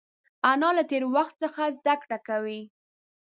انا له تېر وخت څخه زده کړه کوي